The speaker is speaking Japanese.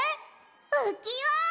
うきわ！